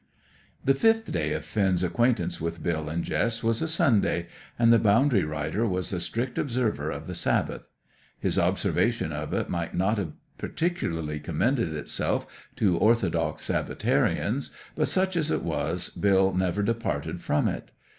The fifth day of Finn's acquaintance with Bill and Jess was a Sunday, and the boundary rider was a strict observer of the Sabbath. His observation of it might not have particularly commended itself to orthodox Sabbatarians, but, such as it was, Bill never departed from it.